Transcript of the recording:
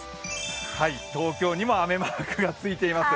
東京にも雨マークがついています。